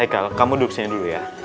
heikal kamu duduk sini dulu ya